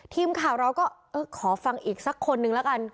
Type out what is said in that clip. ทีมข่าวเราก็เออขอฟังอีกสักคนนึงแล้วกัน